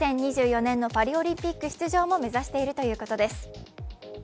２０２４年のパリオリンピック出場も目指しているということです。